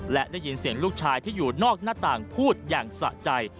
และได้ยินเสียงลูกชายที่อยู่นอกหน้าต่างพูดอย่างสะใจ